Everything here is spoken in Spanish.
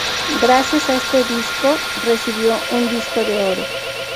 Gracias a este disco recibió un Disco de Oro.